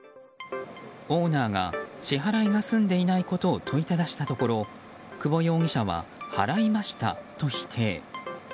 オーナーが支払いが済んでいないことを問いただしたところ久保容疑者は、払いましたと否定。